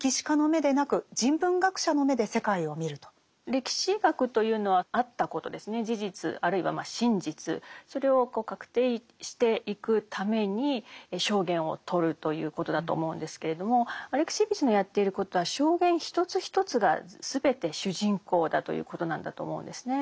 歴史学というのはあったことですね事実あるいは真実それを確定していくために証言をとるということだと思うんですけれどもアレクシエーヴィチのやっていることは証言一つ一つが全て主人公だということなんだと思うんですね。